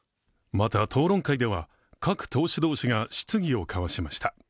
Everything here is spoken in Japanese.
また、討論会では各党首同士が質疑を交わしました。